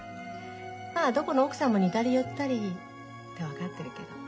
まあどこの奥さんも似たり寄ったりって分かってるけど。